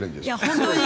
本当に。